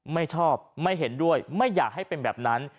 ไม่ชอบไม่เห็นด้วยไม่อยากให้เป็นแบบนั้น